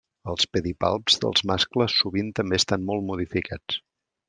Els pedipalps dels mascles sovint també estan molt modificats.